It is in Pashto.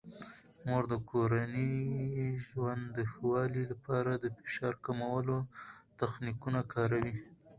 مور د کورني ژوند د ښه والي لپاره د فشار کمولو تخنیکونه کاروي.